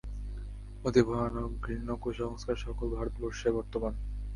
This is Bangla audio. অতি ভয়ানক ঘৃণ্য কুসংস্কারসকল ভারতবর্ষে বর্তমান।